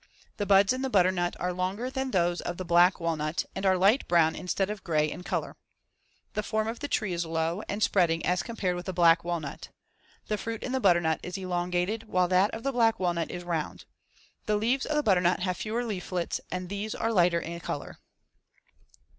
The buds in the butternut are longer than those of the black walnut and are light brown instead of gray in color. The form of the tree is low and spreading as compared with the black walnut. The fruit in the butternut is elongated while that of the black walnut is round. The leaves of the butternut have fewer leaflets and these are lighter in color.